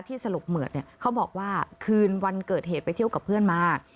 สลบเหมือดเนี่ยเขาบอกว่าคืนวันเกิดเหตุไปเที่ยวกับเพื่อนมา